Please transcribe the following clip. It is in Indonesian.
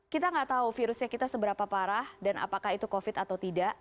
kita nggak tahu virusnya kita seberapa parah dan apakah itu covid atau tidak